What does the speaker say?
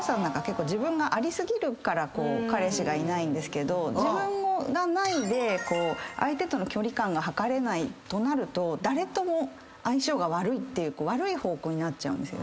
彼氏がいないんですけど自分がないで相手との距離感が測れないとなると誰とも相性が悪いって悪い方向になっちゃうんですよね。